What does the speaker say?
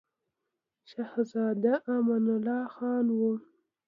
شهزاده امان الله خان وو.